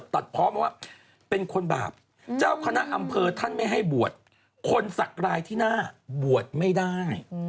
ตัดพร้อมมาว่าเป็นคนบาปเจ้าคณะอำเภอท่านไม่ให้บวชคนสักรายที่หน้าบวชไม่ได้